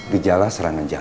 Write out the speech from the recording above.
gejala serangan jatuh